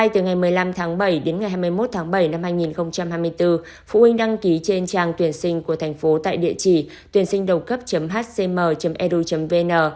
từ ngày một mươi năm tháng bảy đến ngày hai mươi một tháng bảy năm hai nghìn hai mươi bốn phụ huynh đăng ký trên trang tuyển sinh của thành phố tại địa chỉ tuyểnsinhđầucấp hcm edu vn